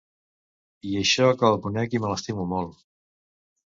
I això que el conec i me l’estimo molt.